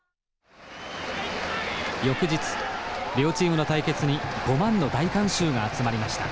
翌日両チームの対決に５万の大観衆が集まりました。